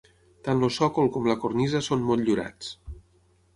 Tant el sòcol com la cornisa són motllurats.